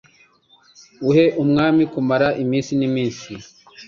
Uhe umwami kumara iminsi n’iminsi